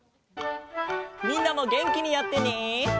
みんなもげんきにやってね！